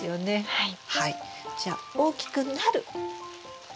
はい。